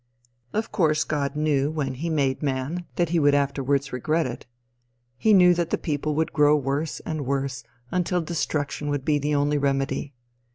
Of course God knew when he made man, that he would afterwards regret it. He knew that the people would grow worse and worse until destruction would be the only remedy.